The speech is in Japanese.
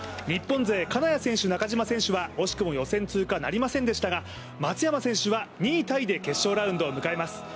日本勢、金谷選手、中島選手は惜しくも予選通過なりませんでしたが松山選手は２位タイで決勝ラウンドを迎えます。